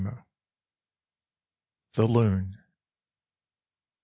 THE LOON.